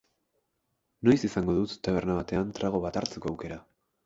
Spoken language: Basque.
Noiz izango dut taberna batean trago bat hartzeko aukera?